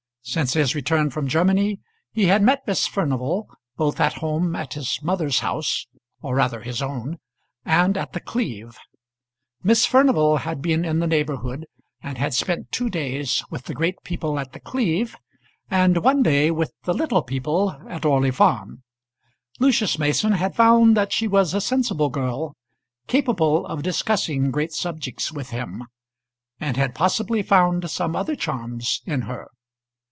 Since his return from Germany he had met Miss Furnival both at home at his mother's house or rather his own and at The Cleeve. Miss Furnival had been in the neighbourhood, and had spent two days with the great people at The Cleeve, and one day with the little people at Orley Farm. Lucius Mason had found that she was a sensible girl, capable of discussing great subjects with him; and had possibly found some other charms in her.